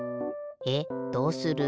えっどうする？